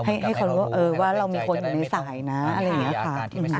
ให้เขารู้ว่าเรามีคนอยู่ในสายนะอะไรอย่างนี้ค่ะ